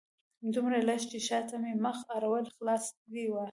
دومره لږ چې شاته مې مخ اړولی خلاص دې وای